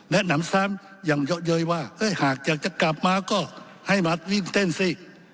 หนำซ้ำอย่างเยอะเย้ยว่าหากอยากจะกลับมาก็ให้มาวิ่งเต้นสิ